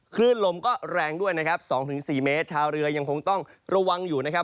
คลื่นลมก็แรงด้วยนะครับ๒๔เมตรชาวเรือยังคงต้องระวังอยู่นะครับ